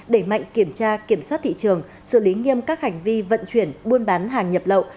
đẩy mạnh kiểm tra kiểm soát thị trường xử lý nghiêm các hành vi vận chuyển buôn bán hàng nhập lậu